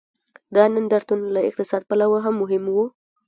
دا نندارتون له اقتصادي پلوه هم مهم و.